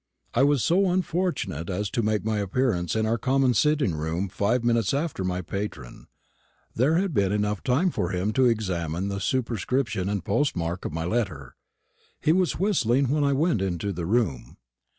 I was so unfortunate as to make my appearance in our common sitting room five minutes after my patron. There had been time enough for him to examine the superscription and postmark of my letter. He was whistling when I went into the room.